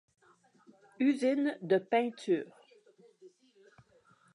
Usine de peinture.